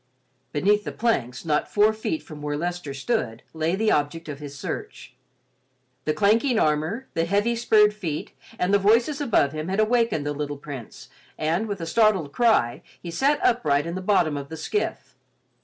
Beneath the planks, not four feet from where Leicester stood, lay the object of his search. The clanking armor, the heavy spurred feet, and the voices above him had awakened the little Prince and, with a startled cry, he sat upright in the bottom of the skiff.